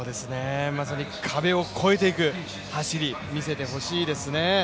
まさに壁を越えていく走り、見せてほしいですね。